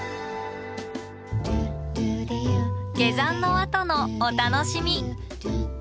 下山のあとのお楽しみ。